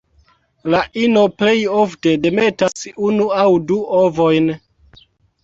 La ino plej ofte demetas unu aŭ du ovojn.